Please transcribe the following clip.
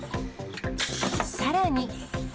さらに。